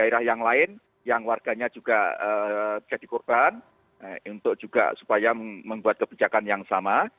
daerah yang lain yang warganya juga jadi korban untuk juga supaya membuat kebijakan yang sama